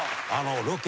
ロケ。